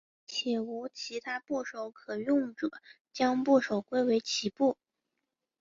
且无其他部首可用者将部首归为齐部。